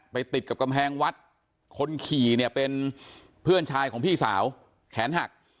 ติดกับกำแพงวัดคนขี่เนี่ยเป็นเพื่อนชายของพี่สาวแขนหัก